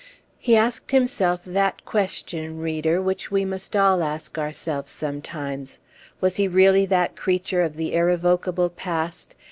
He asked himself that question, reader, which we must all ask ourselves sometimes. Was he really that creature of the irrevocable past?